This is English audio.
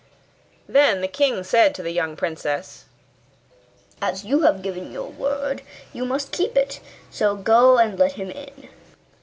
Then the king said to the young princess, 'As you have given your word you must keep it; so go and let him in.